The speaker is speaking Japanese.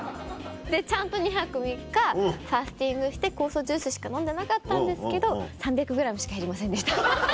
でちゃんと２泊３日ファスティングして酵素ジュースしか飲んでなかったんですけど３００ｇしか減りませんでした。